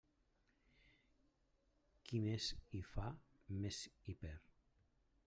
Qui més hi fa més hi perd.